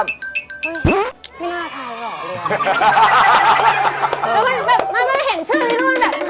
ไม่น่าไทยหรอกเลยอ่ะ